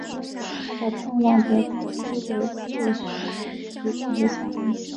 他的叛乱得到西北四十余城的响应。